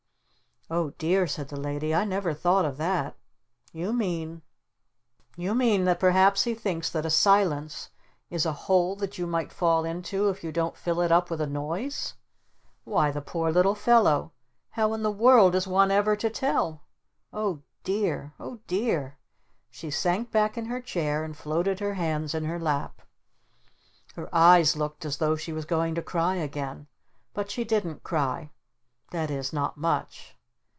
"Oh dear," said the Lady. "I never thought of that! You mean You mean that perhaps he thinks that a Silence is a Hole that you might fall into if you don't fill it up with a Noise? Why the poor little fellow! How in the world is one ever to tell? Oh dear Oh dear " She sank back in her chair and floated her hands in her lap. Her eyes looked as though she was going to cry again. But she didn't cry. That is, not much.